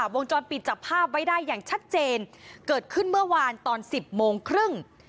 วงจรปิดจับภาพไว้ได้อย่างชัดเจนเกิดขึ้นเมื่อวานตอน๑๐โมงครึ่ง